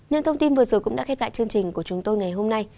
những thông tin vừa rồi cũng đã khép lại chương trình của chúng tôi ngày hôm nay